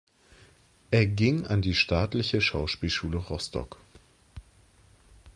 Er ging an die Staatliche Schauspielschule Rostock.